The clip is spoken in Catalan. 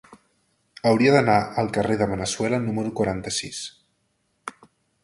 Hauria d'anar al carrer de Veneçuela número quaranta-sis.